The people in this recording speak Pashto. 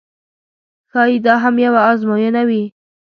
ښایي دا هم یوه آزموینه وي.